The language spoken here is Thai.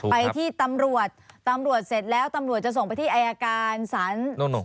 ไปที่ตำรวจตำรวจเสร็จแล้วตำรวจจะส่งไปที่อายการศาล